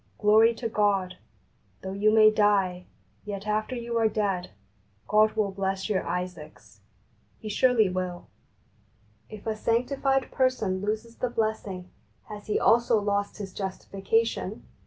Glory to God ! Though you may die, yet after you are dead, God will bless your Isaacs. He surely will I If a sanctified person loses the blessing, has he also lost his justifica tion